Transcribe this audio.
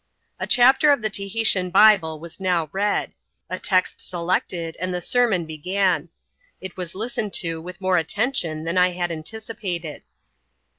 A chapter of the Tahitian Bible was now read ; a text selected, and the sermon began. It was listened to with more attention than I had anticipated.